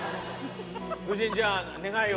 夫人、じゃあ願いを。